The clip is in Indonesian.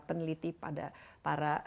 peneliti pada para